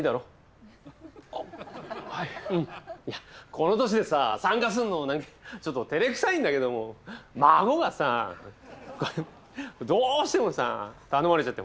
この年でさ参加するのも何かちょっとてれくさいんだけども孫がさどうしてもさ頼まれちゃって。